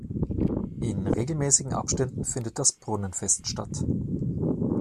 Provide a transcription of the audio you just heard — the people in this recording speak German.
In regelmäßigen Abständen findet das Brunnenfest statt.